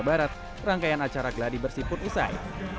barat rangkaian acara gladi bersih pun usai